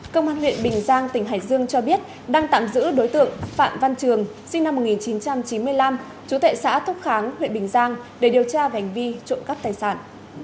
công an huyện bình giang tỉnh hải dương cho biết đang tạm giữ đối tượng phạm văn trường sinh năm một nghìn chín trăm chín mươi năm chú tệ xã thúc kháng huyện bình giang để điều tra về hành vi trộm cắp tài sản